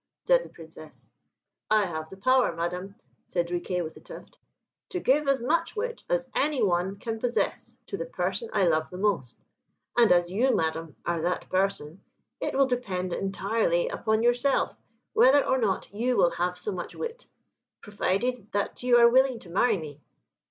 said the Princess. "I have the power, Madam," said Riquet with the Tuft, "to give as much wit as any one can possess to the person I love the most; and as you, Madam, are that person, it will depend entirely upon yourself whether or not you will have so much wit, provided that you are willing to marry me."